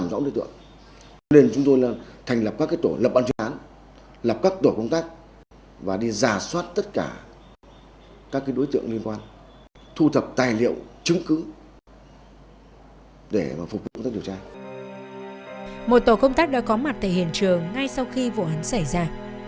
một tổ công tác đã có mặt tại hiện trường ngay sau khi vụ án xảy ra